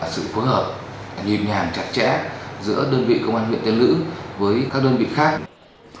sự phối hợp nhịp nhàng chặt chẽ giữa đơn vị công an huyện tiên lữ với các đơn vị khác